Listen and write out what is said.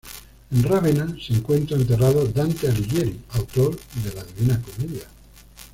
En Rávena se encuentra enterrado Dante Alighieri, autor de "La divina comedia".